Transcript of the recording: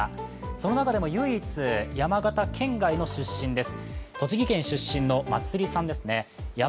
その中でも唯一、山形県外の出身です。